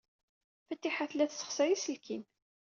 Fatiḥa tella tessexsay aselkim.